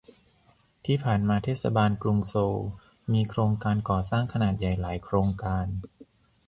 ที่ผ่านมาเทศบาลกรุงโซลมีโครงการก่อสร้างขนาดใหญ่หลายโครงการ